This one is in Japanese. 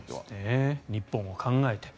日本を考えて。